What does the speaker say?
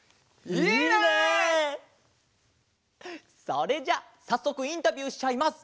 それじゃあさっそくインタビューしちゃいます。